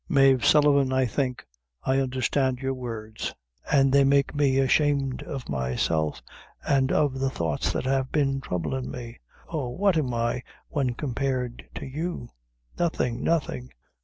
Mave Sullivan, I think I understand your words, an' they make me ashamed of myself, an' of the thoughts that have been troublin' me. Oh, what am I when compared to you? nothing nothing."